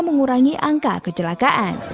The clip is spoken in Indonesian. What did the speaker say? mengurangi angka kecelakaan